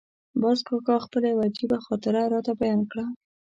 باز کاکا خپله یوه عجیبه خاطره راته بیان کړه.